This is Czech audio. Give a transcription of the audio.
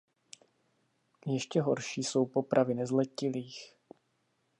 Ještě horší jsou popravy nezletilých.